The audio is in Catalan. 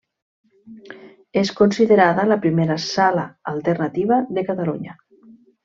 És considerada la primera Sala alternativa de Catalunya.